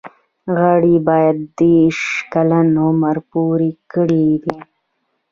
غړي باید دیرش کلن عمر پوره کړی وي.